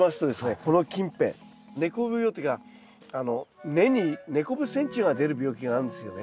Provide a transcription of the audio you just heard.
この近辺根こぶ病というか根にネコブセンチュウが出る病気があるんですよね。